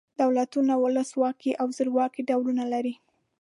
دولتونه ولس واکي او زورواکي ډولونه لري.